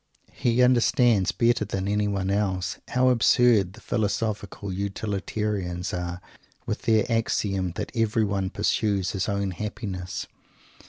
He understands, better than anyone else, how absurd the philosophical utilitarians are with their axiom that everyone pursueshis own happiness.